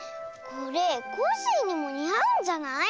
これコッシーにもにあうんじゃない？